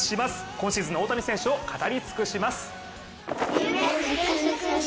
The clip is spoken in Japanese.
今シーズンの大谷選手を語り尽くします。